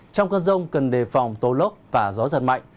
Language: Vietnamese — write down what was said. trong cơn rông cần đề phòng tố lốc và gió giật mạnh